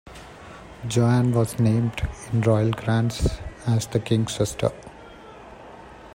Joan was named in royal grants as the King's sister.